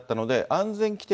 安全規定